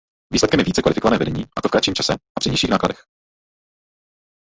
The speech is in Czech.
Výsledkem je více kvalifikované vedení a to v kratším čase a při nižších nákladech.